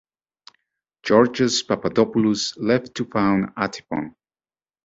Georgios Papadopoulos left to found Atypon.